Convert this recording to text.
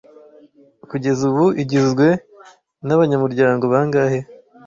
Kugeza ubu igizwe nabanyamuryango bangahe